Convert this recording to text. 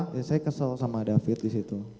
ya saya kesel sama david di situ